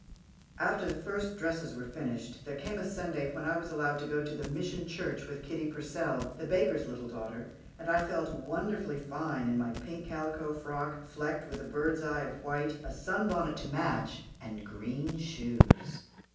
After the first dresses were finished, there came a Sunday when I was allowed to go to the Mission Church with Kitty Purcell, the baker's little daughter, and I felt wonderfully fine in my pink calico frock, flecked with a bird's eye of white, a sun bonnet to match, and green shoes.